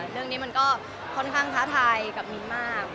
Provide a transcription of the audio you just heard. เรื่องนี้มันก็ค่อนข้างท้าทายกับมิ้นมาก